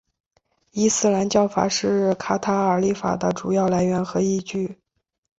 伊斯兰教法是卡塔尔立法的主要来源和依据。